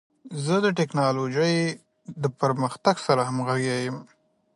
زه د ټکنالوژۍ د پرمختګ سره همغږی یم.